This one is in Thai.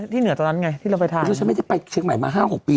คนที่สวดแล้วเนี่ย